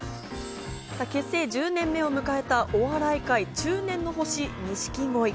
結成１０年目を迎えたお笑い界中年の星、錦鯉。